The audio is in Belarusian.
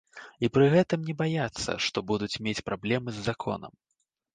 І пры гэтым не баяцца, што будуць мець праблемы з законам.